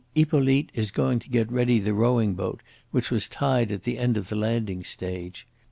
Hippolyte is going to get ready the rowing boat which was tied at the end of the landing stage.